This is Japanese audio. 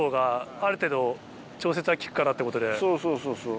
そうそうそうそう。